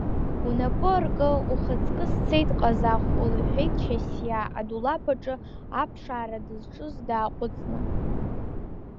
Унапы аркы, ухацкы сцеит Ҟазахә, — лҳәеит Шьасиа адулаԥ аҿы аԥшаара дызҿыз дааҟәыҵны.